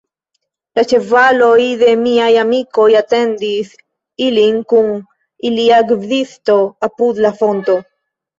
La ĉevaloj de miaj amikoj atendis ilin kun ilia gvidisto apud la fonto.